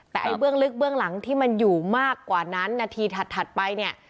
แต่ไอ้เบื้องลึกเบื้องหลังที่มันอยู่มากกว่านั้นนาทีถัดไปเนี่ย